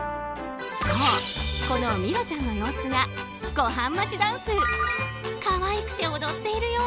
そう、このミロちゃんの様子がごはん待ちダンス可愛くて踊っているよう！